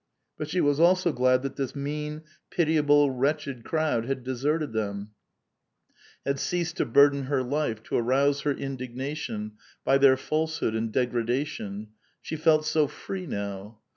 But she was also glad that this mean, pitiable, wretched crowd had de serted them, had ceased to burden her life, to arouse her indignation by their falsehood and degradation ; she felt so free now